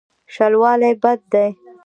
شلوالی بد دی.